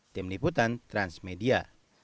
tim liputan transmedia